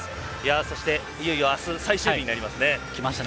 そして、いよいよ明日最終日になりますね。